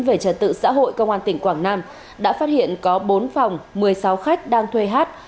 về trật tự xã hội công an tỉnh quảng nam đã phát hiện có bốn phòng một mươi sáu khách đang thuê hát